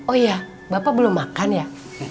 oh iya bapak belum makan ya